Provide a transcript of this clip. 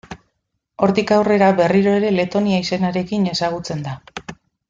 Hortik aurrera berriro ere Letonia izenarekin ezagutzen da.